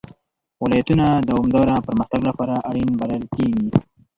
ولایتونه د دوامداره پرمختګ لپاره اړین بلل کېږي.